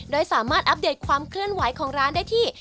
โดยสามารถอัปเดตความเคลื่อนไหวของร้านได้ที่